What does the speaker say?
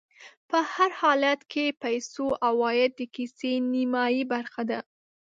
په هر حالت کې د پیسو عوايد د کيسې نیمایي برخه ده